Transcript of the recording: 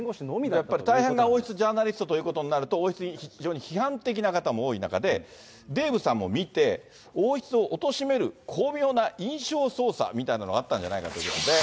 やっぱり大変な王室ジャーナリストということになると、王室に非常に批判的な方も多い中で、デーブさんも見て、王室をおとしめる巧妙な印象操作みたいなのがあったんじゃないかということで。